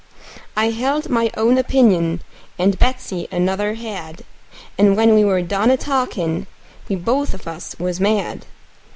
I held my own opinion, and Betsey another had; And when we were done a talkin', we both of us was mad.